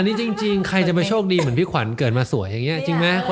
อันนี้จริงใครจะมาโชคดีเหมือนพี่ขวัญเกิดมาสวยอย่างนี้จริงไหม